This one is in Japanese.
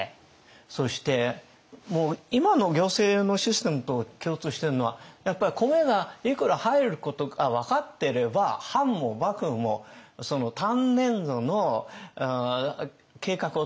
そして今の行政のシステムと共通しているのはやっぱり米がいくら入ることが分かってれば藩も幕府もその単年度の計画を立てられる予算計画を。